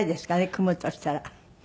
組むとしたら。